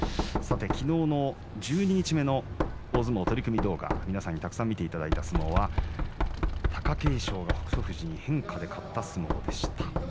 昨日の十二日目の大相撲取組動画、皆さんにたくさん見ていただいた相撲は貴景勝が北勝富士に変化で勝った相撲でした。